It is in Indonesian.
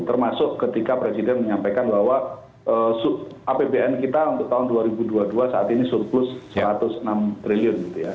termasuk ketika presiden menyampaikan bahwa apbn kita untuk tahun dua ribu dua puluh dua saat ini surplus rp satu ratus enam triliun gitu ya